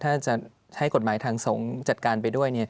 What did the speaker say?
ถ้าจะให้กฎหมายทางสงฆ์จัดการไปด้วย